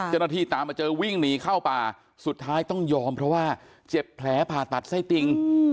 เจ้าหน้าที่ตามมาเจอวิ่งหนีเข้าป่าสุดท้ายต้องยอมเพราะว่าเจ็บแผลผ่าตัดไส้ติ่ง